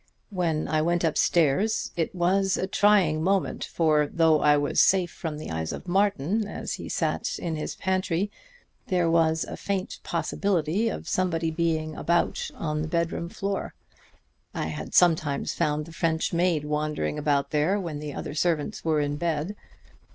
When I went upstairs it was a trying moment, for though I was safe from the eyes of Martin as he sat in his pantry, there was a faint possibility of somebody being about on the bedroom floor. I had sometimes found the French maid wandering about there when the other servants were in bed.